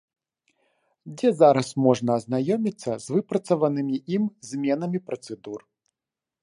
Дзе зараз можна азнаёміцца з выпрацаванымі ім зменамі працэдур?